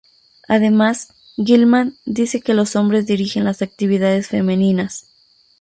Además, Gilman dice que los hombres dirigen las actividades femeninas.